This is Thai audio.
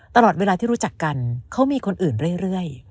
ตลอดเวลาที่รู้จักกันเขามีคนอื่นเรื่อย